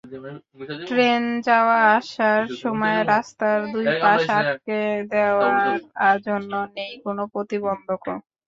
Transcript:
Train যাওয়া-আসার সময় রাস্তার দুই পাশ আটকে দেওয়ার জন্য নেই কোনো প্রতিবন্ধকও।